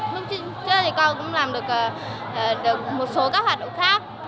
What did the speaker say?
lúc trước thì con cũng làm được một số các hoạt động khác